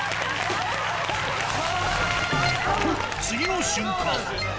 次の瞬間。